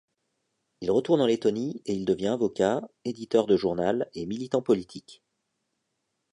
Il retourne en Lettonie et il devient avocat, éditeur de journal et militant politique.